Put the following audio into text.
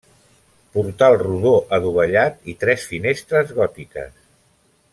Portal rodó adovellat i tres finestres gòtiques.